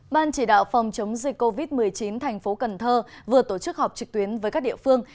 ban chỉ đạo phòng chống dịch covid một mươi chín thành phố cần thơ vừa tổ chức họp trực tuyến với các địa phương